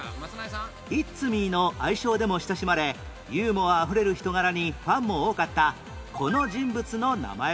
「いっつみぃ」の愛称でも親しまれユーモアあふれる人柄にファンも多かったこの人物の名前は？